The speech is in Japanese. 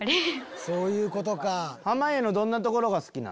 そういうことか。